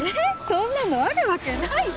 そんなのあるわけないじゃん。